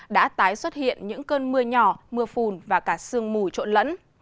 đã tái xuất hiện những cơn mưa nhỏ mưa phùn và cả sương mù trộn lẫn